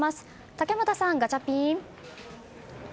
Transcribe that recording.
竹俣さん、ガチャピン！